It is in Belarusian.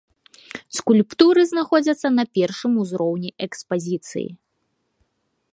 Скульптуры знаходзяцца на першым ўзроўні экспазіцыі.